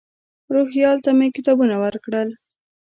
روهیال ته مې کتابونه ورکړل.